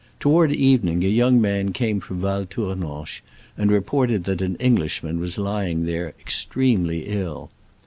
Toward evening a young man came from Val Tournanche, and report ed that an Englishman was lying there extremely ill.